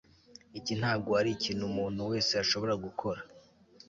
Iki ntabwo arikintu umuntu wese ashobora gukora